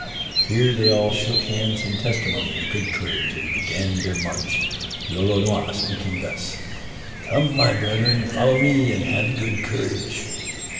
Here they all shook hands in testimony of good courage, and began their march, Lolonois speaking thus, "Come, my brethren, follow me, and have good courage."